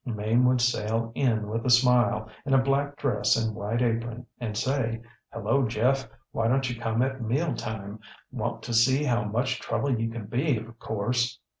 Mame would sail in with a smile, in a black dress and white apron, and say: ŌĆśHello, Jeff ŌĆöwhy donŌĆÖt you come at mealtime? Want to see how much trouble you can be, of course.